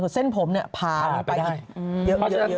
เส้นผมผ่านไปเยอะ